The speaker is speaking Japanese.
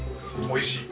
おいしい。